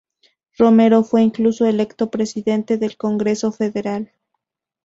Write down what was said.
Romero fue incluso electo presidente del Congreso Federal.